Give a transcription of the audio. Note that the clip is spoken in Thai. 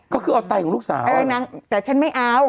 ก็คืออ่อไตของลูกสาวอะไรนั้นแต่ฉันไม่เอา